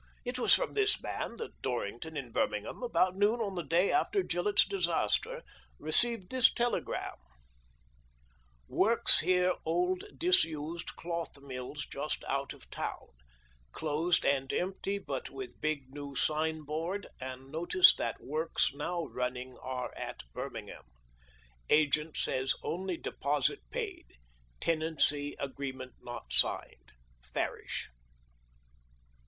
It was from this man that Dorring ton, in Birmingham, about noon on the day after Gillett's disaster, received this telegram — Works here old, disused cloth mills just out of town. Closed and empty hut loith big neio signboard and notice that loorks noio running are at Birmingham. Agent says only deposit paid — tenancy agreement not signed. — Farrish.